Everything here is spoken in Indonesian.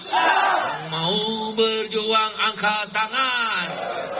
saya mau berjuang angkat tangan